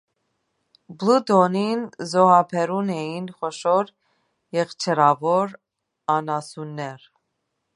Պլուտոնին զոհաբերում էին խոշոր եղջերավոր անասուններ։